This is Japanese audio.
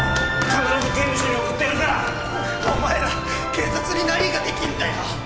必ず刑務所に送ってやるからお前ら警察に何ができんだよ？